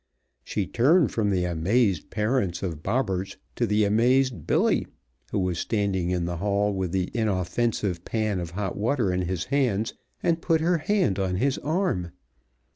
She turned from the amazed parents of Bobberts to the amazed Billy who was standing in the hall with the inoffensive pan of hot water in his hands, and put her hand on his arm.